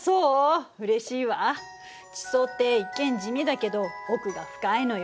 地層って一見地味だけど奥が深いのよ。